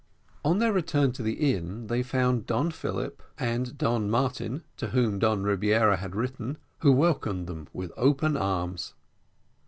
On their return to the inn, they found Don Philip and Don Martin, to whom Don Rebiera had written, who welcomed them with open arms.